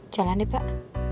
jalan deh pak